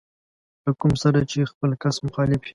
له کوم سره چې خپله کس مخالف وي.